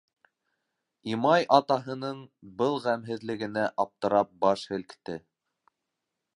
Имай атаһының был ғәмһеҙлегенә аптырап баш һелкте.